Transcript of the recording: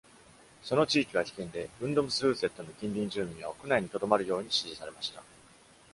その地域は危険で、Ungdomshuset の近隣住民は屋内に留まるように支持されました。